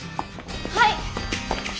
はい！